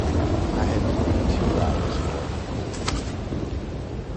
I had to wait two hours for it to cool.